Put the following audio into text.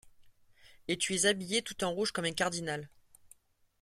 Et tu es habillé tout en rouge comme un cardinal.